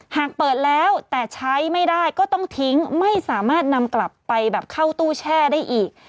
หากเปิดแล้วแต่ใช้ไม่ได้ก็ต้องทิ้งไม่สามารถนำกลับไปแบบเข้าตู้แช่ได้อีก